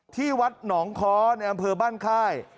ที่วัดหนองค้อในอำเภอบ้านค่าย